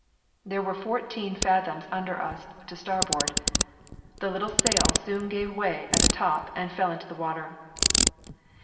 There were fourteen fathoms under us to starboard. The little sail soon gave way at the top and fell into the water.